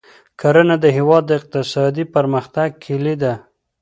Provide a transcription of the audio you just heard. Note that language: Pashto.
کرنه د هېواد د اقتصادي پرمختګ کلي ده.